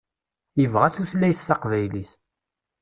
Yebɣa tutlayt taqbaylit.